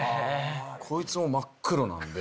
こいつも真っ黒なんで。